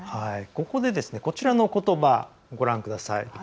ここで、こちらのことばご覧ください。